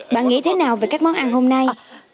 bạn nghĩ thế nào về các món ăn hôm nay